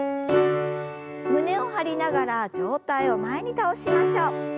胸を張りながら上体を前に倒しましょう。